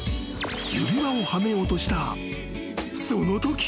［指輪をはめようとしたそのとき］